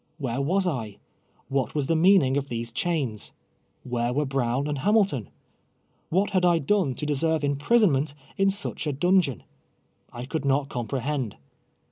"Whei'e was 1^ AVhat was the meaning of these chains:! AVhoi'e were Brov. n and Hamilton:? What luid I do!ie to deserve im|)risonmcnt in such a (hm geon i I could not compi'eliend.